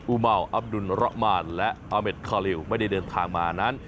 เมาอับดุลระมานและอาเมดคาลิวไม่ได้เดินทางมานั้น